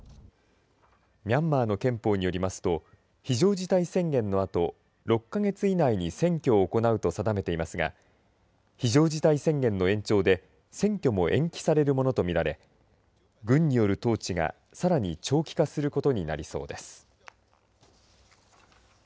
ミャンマーの憲法によりますと非常事態宣言のあと６か月以内に選挙を行うと定めていますが非常事態宣言の延長で選挙も延期されるものと見られ軍による統治がさらに長期化することになりそうです。